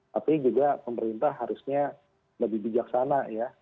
tapi juga pemerintah harusnya lebih bijaksana ya